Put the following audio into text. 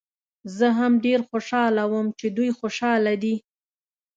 زه هم ډېر خوشحاله وم چې دوی خوشحاله دي.